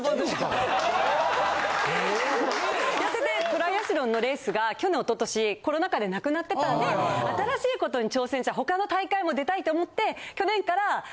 トライアスロンのレースが去年一昨年コロナ禍でなくなってたんで新しいことに挑戦したい他の大会も出たいと思って。